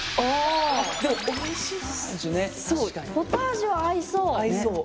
ポタージュは合いそう。